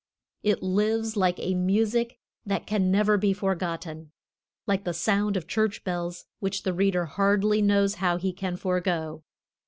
It lives like a music that can never be forgotten, like the sound of church bells which the reader hardly knows how he can forego.